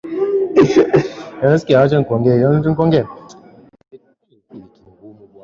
ilikutokana na hali ya kutoelewana